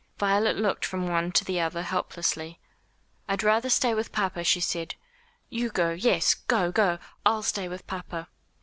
Violet looked from one to the other helplessly. "I'd rather stay with papa," she said. "You go yes go, go. I'll stay with papa."